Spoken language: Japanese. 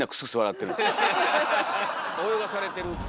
泳がされてる？